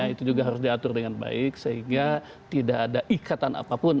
itu juga harus diatur dengan baik sehingga tidak ada ikatan apapun